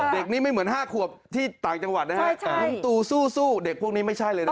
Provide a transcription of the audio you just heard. เด็กนี้ไม่เหมือน๕ขวบที่ต่างจังหวัดนะฮะลุงตูสู้เด็กพวกนี้ไม่ใช่เลยนะ